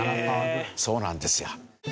そうなんですよ。